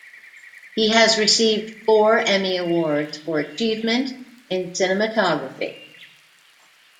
He has received four Emmy awards for achievement in cinematography.